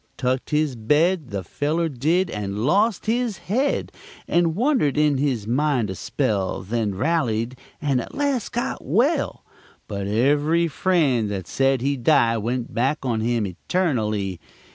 Tuck his bed, The feller did, and lost his head, And wundered in his mind a spell Then rallied, and, at last, got well; But ev'ry friend that said he'd die Went back on him eternally!